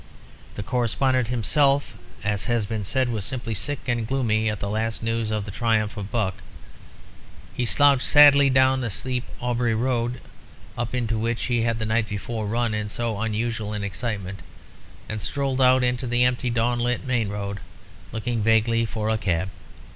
The Correspondent himself, as has been said, was simply sick and gloomy at the last news of the triumph of Buck. He slouched sadly down the steep Aubrey Road, up which he had the night before run in so unusual an excitement, and strolled out into the empty dawn lit main road, looking vaguely for a cab.